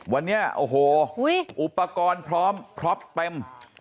วันนี้โอ้โหอุปกรณ์พร้อมพล็อปเต็ม